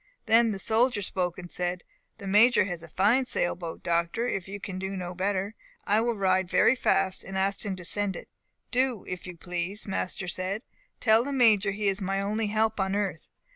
Then the soldier spoke, and said, 'The Major has a fine sail boat, Doctor. If you can do no better, I will ride very fast, and ask him to send it.' 'Do, if you please,' master said. 'Tell the Major he is my only help on earth.